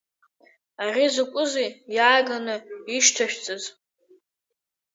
Ари закәзеи иааганы ишьҭашәҵаз?